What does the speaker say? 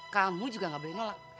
kamu juga gak boleh nolak